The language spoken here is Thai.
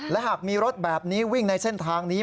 และหากมีรถแบบนี้วิ่งในเส้นทางนี้